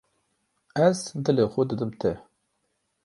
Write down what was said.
Ez dilê xwe didim te.